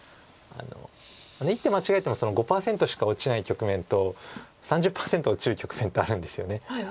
１手間違えても５％しか落ちない局面と３０％落ちる局面とあるんですよね。